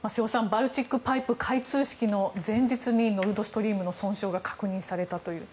バルチック・パイプ開通式の前日にノルドストリームの損傷が確認されたという。